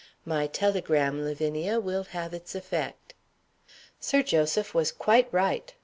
"My telegram, Lavinia, will have its effect." Sir Joseph was quite right.